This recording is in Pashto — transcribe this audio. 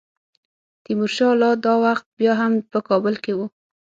تیمورشاه لا دا وخت بیا هم په کابل کې وو.